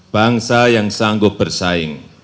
bangsa yang sanggup bersaing